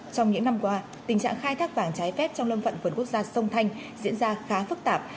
trong những năm qua tình trạng khai thác vàng trái phép trong lâm phận vườn quốc gia sông thanh diễn ra khá phức tạp